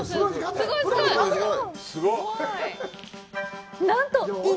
すごいすごい。